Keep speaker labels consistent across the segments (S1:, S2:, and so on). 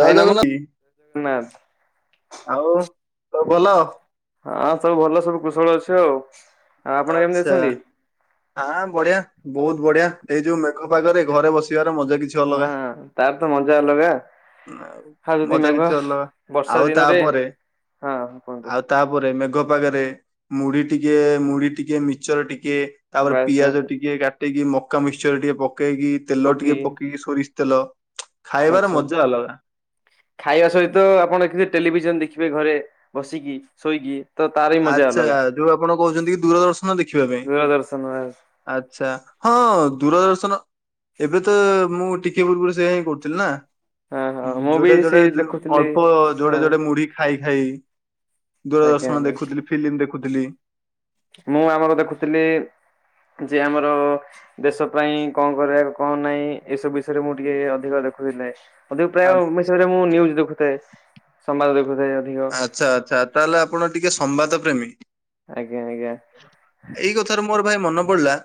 S1: ଜୟ
S2: ଭାଇ
S1: ଜଗନ୍ନାଥ
S2: ନମସ
S1: ଆଉ ସବୁ
S2: ନାଆଁନ୍ତି।
S1: ଭଲ
S2: ହଁ ସବୁ ଭଲ ସବୁ କୁଶଳ ଅଛୁ ଆଉ ଆପଣ କେମିତି ଅଛନ୍ତି?
S1: ଆଃ ବଢିଆ ବହୁତ୍ ବଢିଆ ଏଇ ଯୋଉ ମେଘ ପାଗରେ ଘରେ ବସିବାର ମଜା କିଛି
S2: ହଁ,
S1: ଅଲଗା।
S2: ତାର ତ ମଜା ଅଲଗା।
S1: ଆଉ
S2: ହାଲ୍ ଦି
S1: ମଜା
S2: ନେବ
S1: କିଛି ଅଲଗା
S2: ବର୍ଷା
S1: ଆଉ
S2: ଦିନରେ
S1: ତାପରେ
S2: ହଁ କୁହନ୍ତୁ।
S1: ଆଉ ତାପରେ ମେଘପାଗରେ ମୁଢି ଟିକେ ମୁଢି ଟିକେ ମିଚର ଟିକେ ତାପରେ
S2: ବାସ୍ ବାସ୍
S1: ପିଆଜ ଟିକେ କାଟିକି ମକା ମିକ୍ସଚର ଟିକେ ପକେଇକି ତେଲ
S2: ବକି
S1: ଟିକେ ପକେଇକି ସରିଷ ତେଲ ଖାଇବାର
S2: ଆଚ୍ଛା
S1: ମଜା ଅଲଗା।
S2: ଖାଇବା ସହିତ ଆପଣ ଏଥିରେ ଟେଲିଭିଜନ ଦେଖିବେ ଘରେ ବସିକି ଶୋଇକି। ତ ତାର ବି ମଜା
S1: ଆଚ୍ଛା
S2: ଅଲଗା
S1: ଯୋଉ ଆପଣ କହୁଛନ୍ତି କି ଦୂରଦର୍ଶନ ଦେଖିବା ପାଇଁ।
S2: ଦୂରଦର୍ଶନ
S1: ଆଛା ହଁ ଦୂରଦର୍ଶନ ଏବେ ତ ମୁଁ ଟିକିଏ ପୂର୍ବରୁ ସେଇଆ ହଁ କହୁଥିଲି ନା।
S2: ହଁ ହଁ ମୁଁ ବି
S1: ଯୋଡେ ଯୋଡେ
S2: ସେଇ ଦେଖୁଥିଲି
S1: ଅଳ୍ପ ଯୋଡେ
S2: ହଁ
S1: ଯୋଡେ ମୁଢ଼ି ଖାଇ ଖାଇ
S2: ଆଜ୍ଞା
S1: ଦୂରଦର୍ଶନ
S2: ଆଜ୍ଞା
S1: ଦେଖୁଥିଲି ଫିଲ୍ମ ଦେଖୁଥିଲି।
S2: ମୁଁ ଆମର ଦେଖୁଥିଲି ଯେ ଆମର ଦେଶ ପାଇଁ କଣ କରିବା କଣ ନାହିଁ ଏସବୁ ବିଷୟରେ ମୁଁ ଟିକେ ଅଧିକ ଦେଖୁଥିଲେ। ଅଧିକ
S1: ଆ-
S2: ପ୍ରାୟୟରେ ମୁଁ ଭୁବନେଶ୍ୱର ରେ ନ୍ୟୁଯ ଦେଖୁଥାଏ ସମ୍ବାଦ ଦେଖୁଥାଏ ଅଧିକ।
S1: ଆଚ୍ଛା, ଆଛା ତାହେଲେ ଆପଣ ଟିକେ ସମ୍ବାଦ ପ୍ରେମୀ
S2: ଆଜ୍ଞା ଆଜ୍ଞା
S1: ଏଇ କଥା। ଥରେ ମୋର ଭାଇ ମନେ ପଡିଲା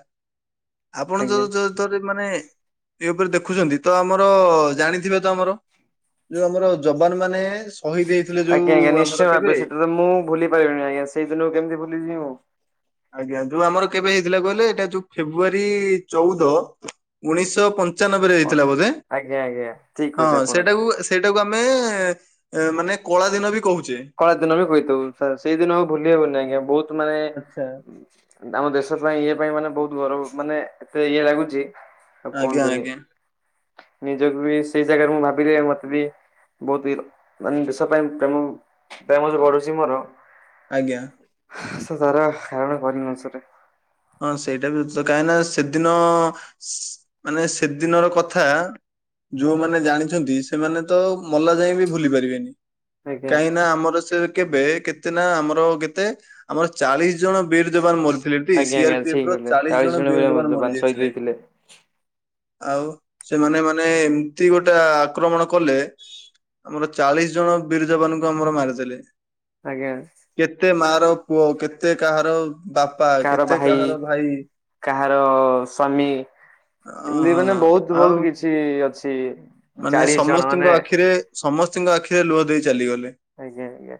S1: ଆପଣ
S2: ଆଜ୍ଞା।
S1: ଯୋଉ ଯୋଉ ମାନେ ଏ ଉପରେ ଦେଖୁଛନ୍ତି ତ ଆମର ଜାଣିଥିବେ ତ ଆମର ଯୋଉ ଆମର ଯବାନ ମାନେ ସହିଦ ହୋଇଥିଲେ
S2: ଆଜ୍ଞା, ଆଜ୍ଞା ନିଶ୍ଚୟ ଭାବେ ସେଟା ତ ମୁଁ ଭୁଲି ପିବିନି ଆଜ୍ଞା ସେଇିନ କେମତି ଭୁଲିଯିବଉ।
S1: ଆଜ୍ଞା ଯୋଉ ଆମର କେବେ ହେଇଥିଲା କହିଲେ ଏଇଟା ଯୋଉ ଫେବୃଆରୀ ଚଉଦ ଉଣେଇଶ ଶହ ପଞ୍ଚାନବେ ରେ ହେଇଥିଲା ବୋଧେ
S2: ଆଜ୍ଞା ଆଜ୍ଞା ଠିକ
S1: ହଁ
S2: କହିଲେ ଆପଣ।
S1: ସେଟାକୁ ସେଇଟାକୁ ଆମେ ମାନେ କଳା ଦିନ ବି କହୁଛେ।
S2: କଳା ଦିନ ବି କହିଥାଉୁ ସାର୍ ସେଇଦିନ ଆଉ ଭୁଲି ହବନି ଆଜ୍ଞା ବହୁତ ମାନେ
S1: ଆଚ୍ଛା
S2: ଆମ ଦେଶ ପାଇଁ ଇଏ ପାଇଁ ମାନେ ବହୁତ ଗରବ ମାନେ ଏତେ ଇଏ ଲାଗୁଚି। ଆଉ କଣ
S1: ଆଜ୍ଞା
S2: କରିନି?
S1: ଆଜ୍ଞା
S2: ନିଜକୁ ବି ସେଇ ଜାଗାରେ ମୁଁ ଭାବିଲି ମତେ ବି ବହୁତ ମାନେ ଦେଶ ପାଇଁ ପ୍ରେମ ପ୍ରେମ ଯେ ବଢୁଚି ମୋର
S1: ଆଜ୍ଞା
S2: [inaudible]
S1: ହଁ ସେଇଟା ବି କାହିଁକ ନା ସେଦିନ ମାନେ ସେଦିନର କଥା ଯୋଉମାନେ ଜାଣିଛନ୍ତି ସେମାନେ ତ ମଲା ଯାଏ ବି ଭୁଲି ପାରିବେନି।
S2: ଆଜ୍ଞା।
S1: କାହିଁ ନା ଆମର ସେ କେବେ କେତେ ନା ଆମର କେତେ ଆମର ଚାଳିଶ ଜଣ ବୀର ଯବାନ ମରିଥିଲେ।
S2: ଆଜ୍ଞା ଆଜ୍ଞା ଠିକ
S1: ସିଆରପିଏଫ ର
S2: କହିଲେ
S1: ଚାଳିଶ ଜଣ
S2: ଭଳିଆ
S1: ବୀର ଯବାନ ମରି
S2: ସହିଦ
S1: ଯାଇଥିଲେ।
S2: ହେଇଥିଲେ
S1: ଆଉ ସେମାନେ ମାନେ ଏମିତି ଗୋଟେ ଆକ୍ରମଣ କଲେ ଆମର ଚାଳିଶ ଜଣ ବିର ଯବାନଙ୍କୁ ଆମର ମାରିଦେଲେ।
S2: ଆଜ୍ଞା।
S1: କେତେ ମା ର ପୁଅ କେତେ କାହାର ବାପା
S2: କାହାର
S1: କେ
S2: ଭାଇ କାହାର ସ୍ଵାମୀ ଏମିତି ମାନେ
S1: ଅ
S2: ବହୁତ
S1: ଆଉ
S2: ବହୁତ କିଛି କିଛି ଅଛି
S1: ମାନେ
S2: ଚାଳିଶ ଜଣ ମାନେ
S1: ସମସ୍ତଙ୍କ ଆଖିରେ ସମସ୍ତଙ୍କ ଆଖିରେ ଲୁହ ଦେଇ ଚାଲିଗଲେ।
S2: ଆଜ୍ଞା ଆଜ୍ଞା।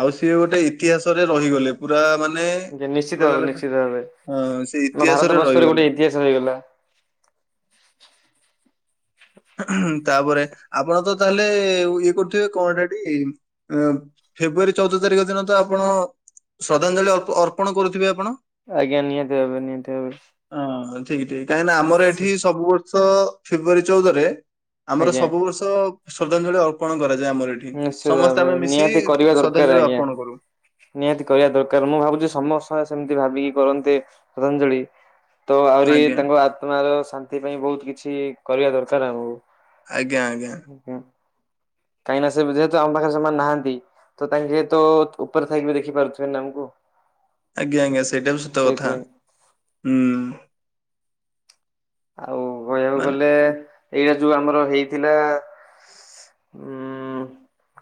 S1: ଆଉ ସିଏ ଗୋଟେ ଇତିହାସରେ ରହିଗଲେ ପୁରା ମାନେ
S2: ଆଜ୍ଞା ନିଶ୍ଚିତ
S1: କହିଲା
S2: ଭାବେ
S1: ଲେଖା
S2: ନିଶ୍ଚିତ ଭାବେ
S1: ହଁ ସେ
S2: ଆମ
S1: ଇତିହାସରେ
S2: ଭାରତ ବର୍ଷରେ
S1: ରହିଗଲେ
S2: ଗୋଟେ ଇତିହାସ ହେଇଗଲା।
S1: ତାପରେ ଆପଣ ତ ତାହେଲେ ଇଏ କରୁଥିବେ କଣ ଟା ଟି ଫେବୃୟାରୀ ଚଉଦ ତାରିଖ ଦିନ ତ ଆପଣ ଶ୍ରଦ୍ଧାଞ୍ଜଳି ଅର୍ପ ଅର୍ପଣ କରୁଥିବେ ଆପଣ।
S2: ଆଜ୍ଞା ନିହାତି ଭାବେ ନିହାତି ଭାବେ।
S1: ହଁ ଠିକ ଠିକ କାହିଁକି ନା ଆମର ଏଠି ସବୁ ବର୍ଷ ଫେବୃଆାରୀ ଚଉଦରେ ଆମର
S2: ଆଜ୍ଞା।
S1: ସବୁ ବର୍ଷ ଶ୍ରଦ୍ଧାଞ୍ଜଳି ଅର୍ପଣ କରାଯାଏ ଆମର ଏଠି।
S2: ନିଶ୍ଚିତ
S1: ସମସ୍ତେ
S2: ଭାବରେ
S1: ଆମେ ମିଶି
S2: ନିହାତି କରିବା ଦରକାର
S1: ଶ୍ରଦ୍ଧାଞ୍ଜଳି
S2: ଆଜ୍ଞା।
S1: ଅର୍ପଣ କରୁ।
S2: ନିହାତି କରିବା ଦରକାର ମୁଁ ଭାବୁଛି ସମସ୍ତେ ସେମିତି ଭାବିକି କରନ୍ତେ ଶ୍ରଦ୍ଧାଞ୍ଜଳି ତ ଆହୁରି
S1: ଆଜ୍ଞା
S2: ତାଙ୍କ ଆତ୍ମା ର ଶାନ୍ତି ପାଇଁ ବହୁତ କିଛି କରିବା ଦରକାର ଆମକୁ।
S1: ଆଜ୍ଞା ଆଜ୍ଞା
S2: କାହିଁକି ନା ଯେହେତୁ ଆମ ପାଖରେ ସେମାନେ ନାହାନ୍ତି ତ ତାଙ୍କେ ତ ଉପରେ ଥାଇ ଦେଖି ପାରୁଥିବେ ନା ଆମକୁ
S1: ଆଜ୍ଞା ଆଜ୍ଞା ସେଇଟା ବି ସତ କଥା
S2: ସେଇଥିପାଇଁ
S1: ହୁଁ।
S2: ଆଉ କହିଆକୁ
S1: ମାନେ
S2: ଗଲେ ଏଇଟା ଯୋଉ ଆମର ହେଇଥିଲା ଉଁ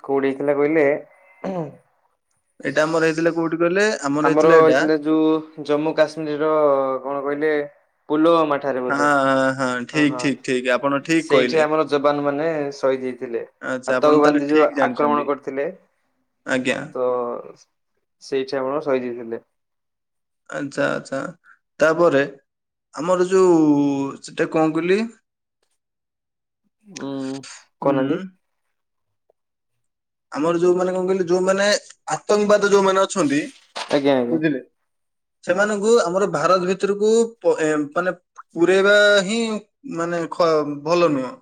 S2: କୋଉଠି ହେଇଥିଲା କହିଲେ
S1: ଏଇଟା ଆମର ହେଇଥିଲେ କୋଉଠି କହିଲେ
S2: ଆମର ହେଇଥିଲା ଯୋଉ ଜମ୍ମୁ କାଶ୍ମୀରର କଣ କହିଲେ ପୁଲୱାମା ଠାରେ
S1: ହଁ
S2: ବୋଧେ
S1: ହଁ
S2: ହଁ
S1: ଠିକ ଠିକ ଠିକ ଆପଣ
S2: ହଁ
S1: ଠିକ
S2: ସେଇଠି
S1: କହିଲେ।
S2: ଆମର ଯବାନ ମାନେ ସହିଦ ହେଇଥିଲେ।
S1: ଆଚ୍ଛା ଆପଣ ତାହେଲେ
S2: ଆତଙ୍କବାଦି ଯୋଉ
S1: ଠିକ ଜାଣିଛନ୍ତି
S2: ଆକ୍ରମଣ କରିଥିଲେ
S1: ଆଜ୍ଞା
S2: ତ ସେଇଠି ଆମର ସହିଦ ହେଇଥିଲେ।
S1: ଆଛା ଆଛା ତା ପରେ ଆମର ଯୋଉ ସେଟା କଣ କଇଲେ
S2: [inaudible] କହୁନାହାନ୍ତି
S1: ହୁଁ। ଆମର ଯୋଉମାନେ କଣ କହିଲେ ଯୋଉମାନେ ଆତଙ୍କବାଦ ଯୋଉମାନେ ଅଛନ୍ତି
S2: ଆଜ୍ଞା ଆଜ୍ଞା
S1: ବୁଝିଲେ। ସେମାନଙ୍କୁ ଆମର ଭାରତ ଭିତରକୁ ପ ଏମ୍ ମାନେ ପୁରେଇବା ହିଁ ମାନେ ଖ ମାନେ ଭଲ ନୁହଁ।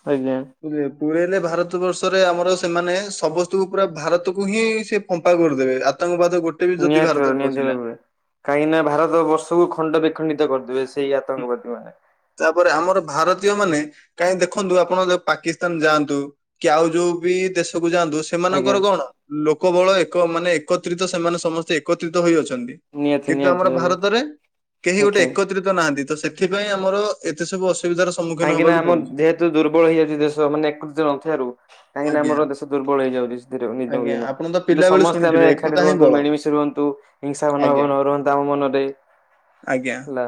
S2: [unintelligible]
S1: ପୁରେଇ ପୁରେଇଲେ ଭାରତ ବର୍ଷରେ ଆମର ସେମାନେ ସମସ୍ତଙ୍କୁ ପୁରା ଭାରତକୁ ହିଁ ସେ ଫମ୍ପା କରିଦେବେ ଆତଙ୍କବାଦ ଗୋଟେ ବି ଯଦି
S2: ନିହାତି ଭାବରେ,
S1: ଭାରତରେ
S2: ନିହାତି
S1: ପଶିଲା
S2: ଭାବରେ। କାହିଁକି ନା ଭାରତ ବର୍ଷକୁ ଖଣ୍ଡ ବିଖଣ୍ଡିତ କରିଦେବେ ସେଇ
S1: ହୁଁ।
S2: ଆତଙ୍କବାଦୀ ମାନେ।
S1: ତାପରେ ଆମର ଭାରତୀୟ ମାନେ କାହିଁକି ଦେଖନ୍ତୁ ଆପଣ ଦେଖ ପାକିସ୍ତାନ ଯାଆନ୍ତୁ। କି ଆଉ ଯୋଉ ବି ଦେଶକୁ ଯାଆନ୍ତୁ ସେମାନଙ୍କର
S2: ଆଜ୍ଞା
S1: କଣ ଲୋକ ବଳ ଏକ ମାନେ ଏକତ୍ରିତ ସେମାନେ ସମସ୍ତେ ଏକତ୍ରିତ ହୋଇ ଅଛନ୍ତି।
S2: ନିହାତି
S1: କିନ୍ତୁ
S2: ନିହାତି
S1: ଆମର
S2: ଭାବେ
S1: ଭାରତରେ କେହି ଗୋଟେ
S2: ଆଜ୍ଞା।
S1: ଏକତ୍ରିତ ନାହାନ୍ତି। ତ ସେଥିପାଇଁ ଆମର ଏତେ ସବୁ ଅସୁବିଧାର ସମ୍ମୁଖୀନ
S2: କାହିଁକିନା
S1: ହବାକୁ
S2: ଆମ
S1: ପଡୁଛି
S2: ଯେହେତୁ ଦୁର୍ବଳ ହେଇଯାଉଛି ଦେଶ ମାନେ ଏକୃତ ନଥିବାରୁ କାହିଁକିନା
S1: ଆଜ୍ଞା
S2: ଆମର ଦେଶ ଦୁର୍ବଳ
S1: ଆଜ୍ଞା ଆପଣ ତ
S2: ହେଇଯାଉଛି।
S1: ପିଲାବେଳୁ
S2: ସମସ୍ତେ
S1: ଶୁଣିଥିବେ
S2: ଆମେ ଏକାଠି
S1: ଏକତା ହିଁ
S2: ରୁହନ୍ତୁ
S1: ବଳ
S2: ମିଳିମିଶି ରୁହନ୍ତୁ ହିଂସା ମନଭାବ
S1: ଆଜ୍ଞା
S2: ନରହୁ। ତା ମନରେ
S1: ଆଜ୍ଞା
S2: ହେଲା,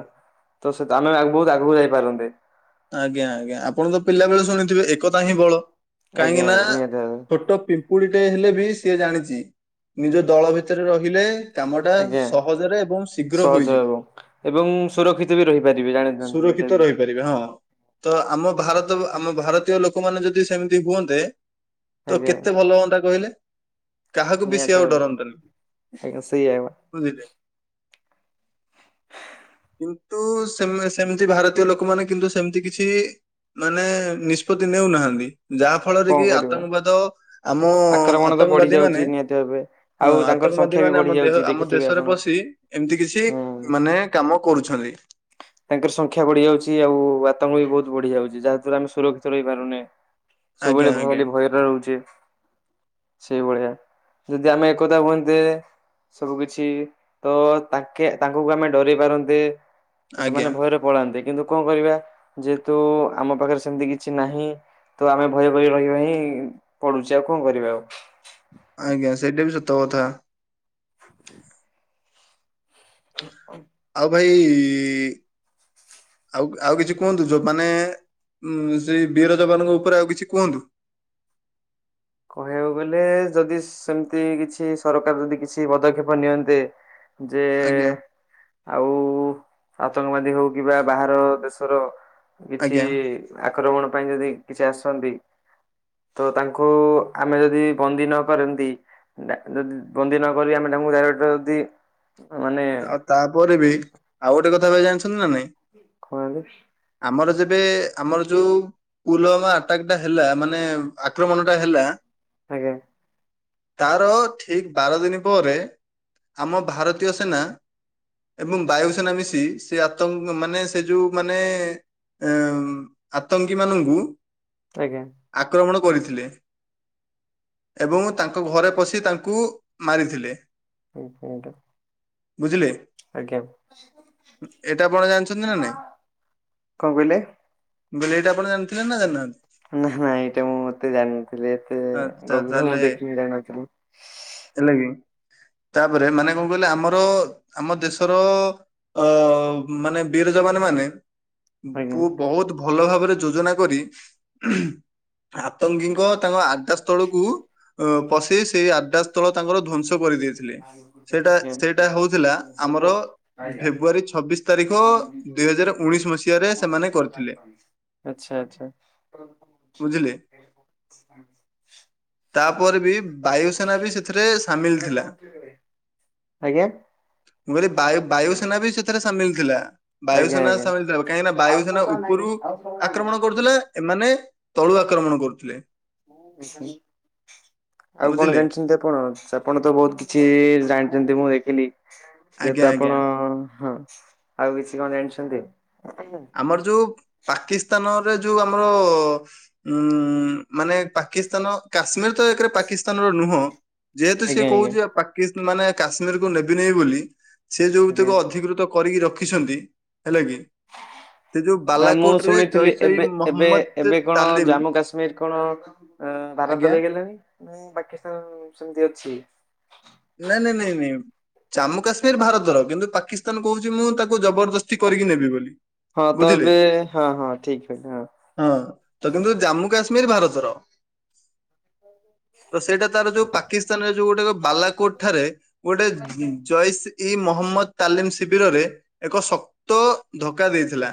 S2: ତ ସେ ଆମେ ବହୁତ ଆଗକୁ ଯାଇପାରନ୍ତେ।
S1: ଆଜ୍ଞା ଆଜ୍ଞା ଆପଣ ତ ପିଲା ବେଳେ ଶୁଣିଥିବେ ଏକତା ହିଁ ବଳ।
S2: ଆଜ୍ଞା
S1: କାହିଁକି ନା
S2: ଆଜ୍ଞା ନିହାତି ଭାବରେ
S1: ଛୋଟ ପିମ୍ପୁଡ଼ିଟେ ହେଲେ ବି ସିଏ ଜାଣିଚି। ନିଜ ଦଳ ଭିତରେ ରହିଲେ କାମଟା
S2: ଆଜ୍ଞା।
S1: ସହଜରେ ଏବଂ ଶୀଘ୍ର
S2: ସହଜ
S1: ହୋଇଯିବ।
S2: ହେବ ଏବଂ ମୁଁ ସୁରକ୍ଷିତ ବି ରହିପାରିବି ଜାଣିଥାନ୍ତୁ। ଏଇଟା
S1: ସୁରକ୍ଷିତ
S2: ବି
S1: ରହିପାରିବେ ହଁ। ତ ଆମ ଭାରତ ଆମ ଭାରତୀୟ ଲୋକମାନେ ଯଦି ସେମିତି ହୁଅନ୍ତେ ତ
S2: ଆଜ୍ଞା।
S1: କେତେ ଭଲ ହୁଅନ୍ତା କହିଲେ? କାହାକୁ ବି
S2: ନିହାତି
S1: ସିଏ ଆଉ
S2: ଭାବରେ
S1: ଡରନ୍ତେ ନି।
S2: ଆଜ୍ଞା ସେଇଆ
S1: ବୁଝିଲେ। ଟୁଟୁ ସେମ ସେମତି ଭାରତୀୟ ଲୋକମାନୋନ କିନ୍ତୁ ସେ ସେମତି କିଛି ମାନେ ନିଷ୍ପତି ନେଉନାହାଁନ୍ତି। ଯାହା ଫଳରେ
S2: କଣ
S1: କି
S2: କରିବା
S1: ଆତଙ୍କବାଦ ଆମ
S2: ଆକ୍ରମଣ ତ ବଢି
S1: ଆତଙ୍କବାଦୀ
S2: ଯାଉଛି
S1: ମାନେ
S2: ନିହାତି ଭାବେ।
S1: ହଁ
S2: ଆଉ ତାଙ୍କର
S1: ଆତଙ୍କବାଦୀ
S2: ସଂଖ୍ୟା ବି
S1: ମାନେ ଆମ
S2: ବଢି
S1: ଦେହ
S2: ଯାଉଛି
S1: ଆମ
S2: ଦେଖିଥିବେ
S1: ଦେଶରେ
S2: ଆପଣ
S1: ପଶି ଏମିତି କିଛି
S2: ହୁଁ।
S1: ମାନେ କାମ କରୁଛନ୍ତି।
S2: ତାଙ୍କର ସଂଖ୍ୟା ବଢି ଯାଉଛି। ଆଉ ଆତଙ୍କ ବି ବହୁତ ବଢି ଯାଉଛି। ଯାହା ଦ୍ୱାରା ଆମେ ସୁରକ୍ଷିତ ରହିପାରୁନେଁ।
S1: ଆଜ୍ଞା
S2: ସବୁବେଳେ
S1: ଆଜ୍ଞା
S2: ଭୟଲି ଭୟରେ ରହୁଚେ। ସେଇଭଳିଆ ଯଦି ଆମେ ଏକଥା ହୁହନ୍ତେ, ସବୁ କିଛି ତ ତାଙ୍କେ ତାଙ୍କୁକୁ ଆମେ ଡରେଇ ପାରନ୍ତେ। ତ
S1: ଆଜ୍ଞା
S2: ସେମାନେ ଭୟରେ ପଳାନ୍ତେ କିନ୍ତୁ କଣ କରିବା ଯେହେତୁ ଆମ ପାଖରେ ସେମତି କିଛି ନାହିଁ। ତ ଆମେ ଭୟ କରି ରହିବା ହିଁ ପଡୁଚି ଆଉ କଣ କରିବା ଆଉ।
S1: ଆଜ୍ଞା ସେଇଟା ବି ସତ କଥା।
S2: [inaudible]
S1: ଆଉ ଭାଇ ଆଉ ଆଉ କିଛି କୁହନ୍ତୁ ଯୋଉମାନେ ସେଇ ବୀର ଯବାନଙ୍କ ଉପରେ ଆଉ କିଛି କୁହନ୍ତୁ?
S2: କହିବାକୁ ଗଲେ ଯଦି ସେମିତି କିଛି ସରକାର ଯଦି କିଛି ପଦକ୍ଷେପ ନିଅନ୍ତେ ଯେ
S1: ଆଜ୍ଞା
S2: ଆଉ ଆତଙ୍କବାଦୀ ହଉ କି ବା ବାହାର ଦେଶର କିଛି
S1: ଆଜ୍ଞା
S2: ଆକ୍ରମଣ ପାଇଁ ଯଦି କିଛି ଆସନ୍ତି ତ ତାଙ୍କୁ ଆମେ ଯଦି ବନ୍ଦୀ ନ କରନ୍ତି ଯଦି ବନ୍ଦୀ ନକରି ଆମେ ତାଙ୍କୁ ଡାଇରକ୍ଟ ଯଦି ମାନେ
S1: ଆଉ ତାପରେ ବି ଆଉ ଗୋଟେ କଥା ଭାଇ ଜାଣିଛନ୍ତି ନା ନାଇଁ?
S2: କଣ କହିଲେ।
S1: ଆମର ଯେବେ ଆମର ଯୋଉ ପୁଲୱାମା ଆଟାକଟା ହେଲା ମାନେ ଆକ୍ରମଣଟା ହେଲା
S2: ଆଜ୍ଞା।
S1: ତାର ଠିକ ବାର ଦିନ ପରେ ଆମ ଭାରତୀୟ ସେ ସେନା ଏବଂ ବାୟୁସେନା ମିଶି ସେ ଆତଙ୍କ ମାନେ ସେ ଯୋଉ ମାନେ ଅ ଆତଙ୍କୀ ମାନଙ୍କୁ
S2: ଆଜ୍ଞା।
S1: ଆକ୍ରମଣ କରିଥିଲେ। ଏବଂ ତାଙ୍କ ଘରେ ପସି ତାଙ୍କୁ ମାରିଥିଲେ।
S2: ହଁ ପଟା।
S1: ବୁଝିଲେ।
S2: ଆଜ୍ଞା।
S1: ଏଇଟା ଆପଣ ଜାଣିଛନ୍ତି ନା ନାଇଁ
S2: କହିଲେ?
S1: ମୁଁ କହିଲି ଏଇଟା ଆପଣ ଜାଣିଥିଲେ ନା ଜାଣିନାହାନ୍ତି?
S2: ନା ନା ଏଇଟା ମୁଁ ମତେ ଜାଣିିନଥିଲି ଏତେ
S1: ଆଚ୍ଛା
S2: ଗଭୀର
S1: ତାହେଲେ
S2: ମୁଁ ଦେଖିକି ଜାଣିନଥିଲି।
S1: ହେଲା କି ତାପରେ ମାନେ କଣ ଆମର ଆମ ଦେଶର ଅ ମାନେ ବୀର ଯବାନ ମାନେ
S2: ଆଜ୍ଞା।
S1: ବୁ ବହୁତ ଭଲ ଭାବରେ ଯୋଜନା କରି ଆତଙ୍କୀଙ୍କ ତାଙ୍କ ଆ ତଳକୁ ପଶେଇ ସେଇ ଆକାଶ ସ୍ଥଳ ତାଙ୍କର ଧ୍ଵଂସ କରିଦେଇଥିଲେ।
S2: ଆଚ୍ଛା
S1: ସେଇଟା ସେଇଟା ହଉଥିଲା ଆମର ଫେବୃଆରୀ ଛବିଶ ତାରିଖ ଦୁଇ ହଜାର ଉଣେଇଶ ମସିହାରେ ସେମାନେ କରିଥିଲେ।
S2: ଆଚ୍ଛା ଆଚ୍ଛା।
S1: ବୁଝିଲେ। ତାପରେ ବି ବାୟୁସେନା ବି ସେଥିରେ ସାମିଲ ଥିଲା।
S2: ଆଜ୍ଞା।
S1: ମୁଁ କହିଲି ବାୟୁ ବାୟୁସେନା ବି ସେଥିରେ ସାମିଲ ଥିଲା।
S2: ଆଜ୍ଞା
S1: ବାୟୁସେନା
S2: ଆଜ୍ଞା।
S1: ସାମିଲ ଥିଲା କାହିଁକିନା ବାୟୁସେନା ଉପରୁ ଆକ୍ରମଣ କରୁଥିଲେ ଏମାନେ ତଳୁ ଆକ୍ରମଣ କରୁଥିଲେ।
S2: ଆଉ କଣ
S1: ବୁଝିଲେ
S2: ଜାଣିଛନ୍ତି ଆପଣ? ଆପଣ ତ ବହୁତ କିଛି ଜାଣିଛନ୍ତି ମୁଁ ଦେଖିଲି
S1: ଆଜ୍ଞା
S2: ଯେହେତୁ
S1: ଆଜ୍ଞା।
S2: ଆପଣ ହଁ ଆଉ କିଛି କଣ ଜାଣିଛନ୍ତି?
S1: ଆମର ଯୋଉ ପାକିସ୍ତାନରେ ଯୋଉ ଆମର ଉଁ ମାନେ ପାକିସ୍ତାନ କାଶ୍ମୀର ତ ଏକରେ ପାକିସ୍ତାନର ନୁହଁ। ଯେହେତୁ ସିଏ
S2: ଆଜ୍ଞା ଆଜ୍ଞା।
S1: କହୁଛି ପାକିସ୍ତା ମାନେ କାଶ୍ମୀରକୁ ନେବିନି ବୋଲି ସେ ଯୋଉ
S2: ଆଜ୍ଞା
S1: ଟିକେ ଅଧିକୃତ କରିକି ରଖିଛନ୍ତି ହେଲେ କି। ସେ ଯୋଉ
S2: ନା ମୁଁ
S1: ବାଲାକୋଟ ରେ
S2: ଶୁଣିଥିଲି
S1: ଜୈସ ଇ
S2: ଏବେ ଏବେ
S1: ମହମ୍ମଦ
S2: ଏବେ କଣ
S1: ତାଲିମ
S2: ଜାମ୍ମୁ କାଶ୍ମୀର କଣ?
S1: ଆଜ୍ଞା
S2: ଭାରତରେଇଗଲେଣି ନା ପାକିସ୍ତାନ ସେମିତି ଅଛି?
S1: ନାଇଁ ନାଇଁ ନାଇଁ ନାଇଁ ଜାମ୍ମୁ କାଶ୍ମୀର ଭାରତର କିନ୍ତୁ ପାକିସ୍ତାନ କହୁଛି ମୁଁ ତାକୁ ଜବରଦସ୍ତି କରିକି ନେବି ବୋଲି।
S2: ହଁ
S1: ବୁଝିଲେ
S2: ତବେ ହଁ ହଁ ଠିକ କଥା ହଁ।
S1: ହଁ ତ କିନ୍ତୁ ଜାମ୍ମୁ କାଶ୍ମୀର ଭାରତର। ତ ସେଇଟା ତାର ଯୋଉ ପାକିସ୍ତାନ ଯୋଉ ଗୋଟେ ବାଲାକୋଟ ଠାରେ ଗୋଟେ ଜୟସୀ ଇ ମହମ୍ମଦ ତାଲିମ ଶିବିରରେ ଏକ ଶକ୍ତ ଧକା ଦେଇଥିଲା।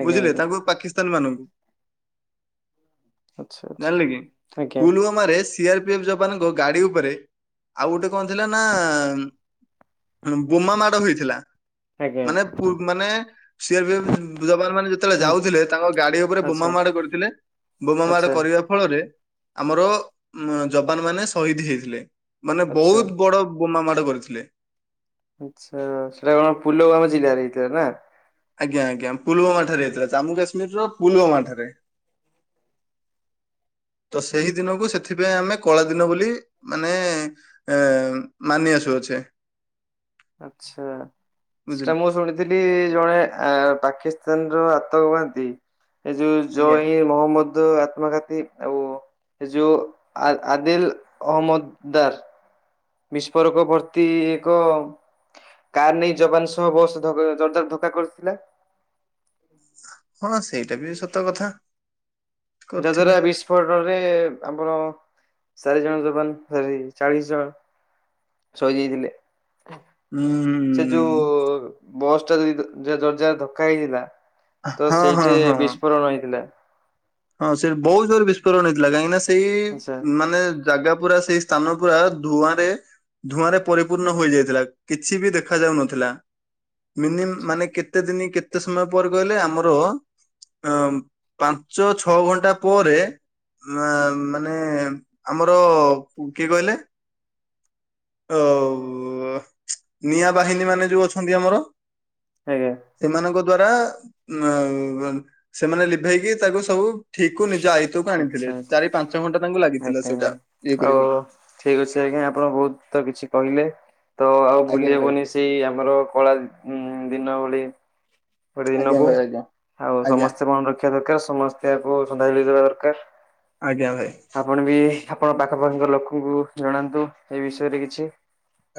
S2: ଆଜ୍ଞା
S1: ବୁଝିଲେ
S2: ଆଜ୍ଞା
S1: ତାଙ୍କୁ ପାକିସ୍ତାନୀ ମାନଙ୍କୁ?
S2: ଆଚ୍ଛା
S1: ଜାଣିଲେ କି
S2: ଆଚ୍ଛା
S1: ପୁଲୱାମରେ ସିଆର ପି ଏଫ ଯବାନଙ୍କ ଗାଡି ଉପରେ ଆଉ ଗୋଟେ କଣ ଥିଲା ନା ବୋମା ମାଡ ବି ହେଇଥିଲା।
S2: ଆଜ୍ଞା ଆଜ୍ଞା
S1: ମାନେ ପୁ ମାନେ ସି ଆର ପି ଏଫ ଯବାନମାନେ ଯେତୋଳେ
S2: ହୁଁ
S1: ଯାଉଥୁଲେ ତାଙ୍କ ଗାଡି ଓପରେ ବୋମା
S2: ଆଚ୍ଛା
S1: ମାଡ କରିଥିଲେ। ବୋମ ମାଡ଼
S2: ଆଚ୍ଛା
S1: କରିବା ଫଳରେ ଆମର ଯବାନ ମାନେ ସହିଦ ହେଇଥିଲେ। ମାନେ
S2: ଆଚ୍ଛା
S1: ବହୁତ ବଡ ବୋମା ମାଡ଼ କରିଥିଲେ।
S2: ଉଚ୍ଛା ସେଟା କଭ ପୁଲବାମ ଜିଲ୍ଲାରେ ହେଇଥିଲା ନା?
S1: ଆଜ୍ଞା ଆଜ୍ଞା ପୁଲୁବାମା ଠାରେ ହେଇଥିଲା ଜାମ୍ମୁ କାଶ୍ମୀରିର ପୁଲୁବାମା ଠାରେ। ତ ସେଇ ଦିନକୁ ସେଥିପାଇଁ ଆମେ କଳା ଦିନ ବୋଲି ମାନେ ଏ ମାନି ଆସୁଅଛେ।
S2: ଆଛା ସେଟା
S1: ବୁଝିଲେ
S2: ମୁଁ ଶୁଣିଥିଲି। ଥିଲି ଜଣେ ଆ ପାକିସ୍ତାନ ର ଆତଙ୍କବାଦୀ ଏ ଯୋଉ
S1: ଆଜ୍ଞା
S2: ଜଇ ମହମ୍ମଦ ଆତ୍ମଘାତୀ ଆଉ ସେ ଯୋଉ ଆ ଆଦିଲ ଅହମ୍ମଦଦାର। ବିସ୍ଫୋରକ ଭର୍ତ୍ତି ଏକ କାର ନେଇ ଯବାନ ସହ ବସ୍ ଜୋରଦାର ଧକ୍କା କରିଥିଲା।
S1: ହଁ ସେଇଟା ବି ସତ କଥା। କରିଥିବେ
S2: ଯାହାଦ୍ଵାରା ବିସ୍ଫୋଟରେ ଆମର ଚାରି ଜଣ ଯବାନ ଫେରେ ଚାଳିଶ ଜଣ ସହିଦ୍ ହେଇଥିଲେ।
S1: ହୁଁ।
S2: ସେ ଯୋଉ ବସ୍ ଟା ଯଦି ଯୋଦାର୍ ଧକ୍କା ହେଇଥିଲା। ତ
S1: ହଁ ହଁ
S2: ସେଇଠି
S1: ହଁ।
S2: ବିସ୍ଫୋରଣ ହେଇଥିଲା।
S1: ହଁ ସେ ବହୁତ ଜୋରେ ବିସ୍ଫୋରଣ ହେଇଥିଲା। କାହିଁକି ନା
S2: ଆଚ୍ଛା
S1: ସେଇ ମାନେ ଜାଗା ପୁରା ସେଇ ସ୍ଥାନ ପୁରା ଧୂଆଁ ରେ ଧୂଆଁ ରେ ପରିପୂର୍ଣ୍ଣ ହୋଇଯାଇଥିଲା କିଛି ବି ଦେଖା ଯାଉନଥିଲା। ମିନିମି
S2: ଆଚ୍ଛା
S1: ମାନେ କେତେ ଦିନି କେତେ କେତେ ସମୟ ପରେ କହିଲେ ଆମର ପା ପାଞ୍ଚ ଛଅ ଘଣ୍ଟା ପରେ ମା ମାନେ ଆମର କିଏ କହିଲେ? ଅ ନିଆଁ ବାହିନୀ ମାନେ ଯୋଉ ଅଛନ୍ତି ଆମର।
S2: ଆଜ୍ଞା।
S1: ସେମାନଙ୍କ ଦ୍ଵାରା ସେମାନେ ଲିଭେଇକି ତାକୁ ସବୁ ଠିକକୁ ନିଜ ଆଇତକୁ ଆଣିଥିଲେ।
S2: ଆଚ୍ଛା
S1: ଚାରି
S2: ଆଚ୍ଛା
S1: ପାଞ୍ଚ ଘଣ୍ଟା ତାଙ୍କୁ ଲାଗିଥିଲା
S2: ଆଜ୍ଞା ଆଜ୍ଞା।
S1: ସେଇଟା ଇଏ
S2: ଆଉ
S1: କରିବାକୁ।
S2: ଠିକ ଅଛି ଆଜ୍ଞା ଆପଣ ବହୁତ କିଛି କହିଲେ ତ ଆଉ
S1: ଆଜ୍ଞା
S2: ଭୁଲି
S1: ଭାଇ
S2: ହେବନି। ସେଇ ଆମର କଳା ଦିନ ଭଳି ଗୋଟେ
S1: ଆଜ୍ଞା
S2: ଦିନକୁ
S1: ଭାଇ ଆଜ୍ଞା
S2: ଆଉ
S1: ଆଜ୍ଞା
S2: ସମସ୍ତେ ମନେ ରଖିବା ଦରକାରେ ସମସ୍ତେକୁ ଶ୍ରାଦ୍ଧାଞ୍ଜଳି ଦେବା ଦରକାରେ।
S1: ଆଜ୍ଞା ଭାଇ।
S2: ଆପଣ ବି ଆପଣ ପାଖପାଖିଙ୍କ ଲୋକଙ୍କୁ ଜଣାନ୍ତୁ ଏ ବିଷୟରେ କିଛି।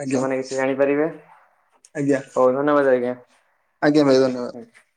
S1: ଆଜ୍ଞା
S2: ସେମାନେ କିଛି ଜାଣିପାରିବେ
S1: ଆଜ୍ଞା
S2: ହଉ ଧନ୍ୟବାଦ, ଆଜ୍ଞା।
S1: ଆଜ୍ଞା ଭାଇ ଧନ୍ୟବାଦ।
S2: [inaudible]